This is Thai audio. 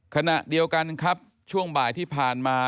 ขณะเดียวกันครับช่วงบ่ายที่ผ่านมา